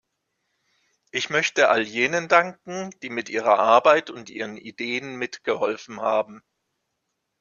Ich möchte all jenen danken, die mit ihrer Arbeit und ihren Ideen mitgeholfen haben.